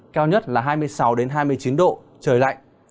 cao nhất là hai mươi sáu hai mươi chín độ trời lạnh